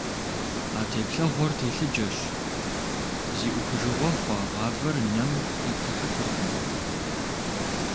А теплъэгъуэр телъыджэщ - зи Ӏухыжыгъуэ хъуа гъавэр нэм къиплъыхьыфыркъым.